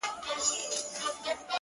ژوند پکي اور دی، آتشستان دی،